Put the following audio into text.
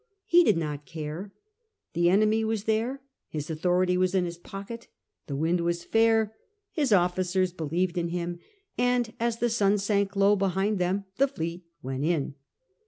He did not care. The enemy ^ there, his authority was in his pocket, the wind was fair, his ofiicers believed in him, and as the sun sank low behind them the fleet went in.